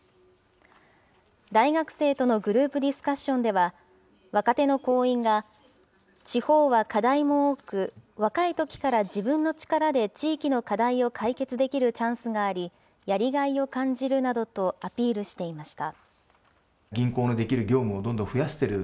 大学生とのグループディスカッションでは、若手の行員が、地方は課題も多く、若いときから自分の力で地域の課題を解決できるチャンスがあり、やりがいを感じるなどとアピールしていました。